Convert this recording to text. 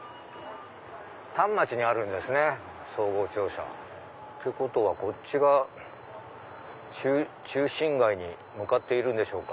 反町にあるんですね総合庁舎。ってことはこっちが中心街に向かっているんでしょうか。